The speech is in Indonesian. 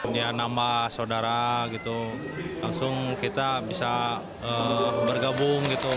dia nama saudara langsung kita bisa bergabung